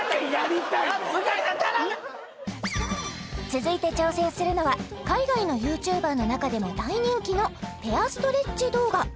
続いて挑戦するのは海外のＹｏｕＴｕｂｅｒの中でも大人気のペアストレッチ動画